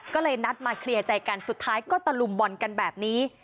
ก็เลยนัดมาเคลียร์ใจกันสุดท้ายก็ตะลุมบอลกันแบบนี้